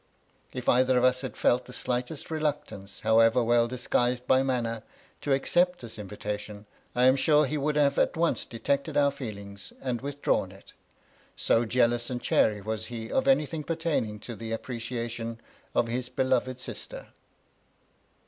If either of us had felt the slightest reluctance, however well disguised by manner, to accept this invitation, I am sure he would have at once detected our feelings, and withdrawn it; so jealous and chary was he of anything pertaining to the appreciation of this beloved sister.